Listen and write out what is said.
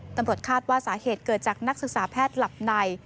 ตำรวจคาดว่าสาเหตุเกิดจากนักศึกษาแพทย์หลับใน